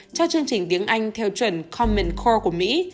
cho chương trình tiếng anh theo chuẩn common core của mỹ